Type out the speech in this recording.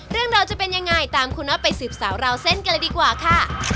เรื่องราวจะเป็นยังไงตามคุณน็อตไปสืบสาวราวเส้นกันเลยดีกว่าค่ะ